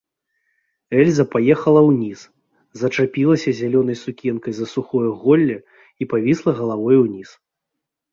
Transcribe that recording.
Эльза паехала ўніз, зачапілася зялёнай сукенкай за сухое голле і павісла галавой уніз.